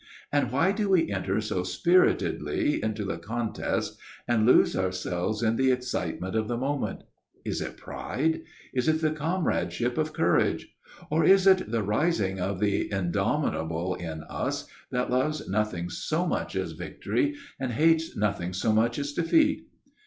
And why do we enter so spiritedly into the contest, and lose ourselves in the excitement of the moment? Is it pride? Is it the comradeship of courage? Or is it the rising of the indomitable in us, that loves nothing so much as victory, and hates nothing so much as defeat?